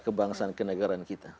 kebangsaan kenegaran kita